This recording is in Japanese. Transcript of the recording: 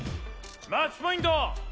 マッチポイント！